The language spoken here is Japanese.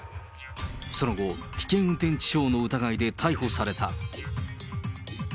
その後、危険運転致傷の疑いで逮捕された。